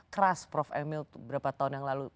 keras prof emil beberapa tahun yang lalu